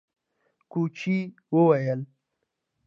کوچي وويل: